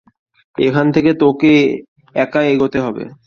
এখান থেকে তোকে একাই এগোতে হবে।